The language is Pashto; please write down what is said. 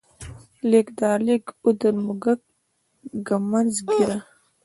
لېږد، رالېږد، اوږد، موږک، ږمنځ، ږيره